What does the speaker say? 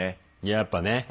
やっぱね。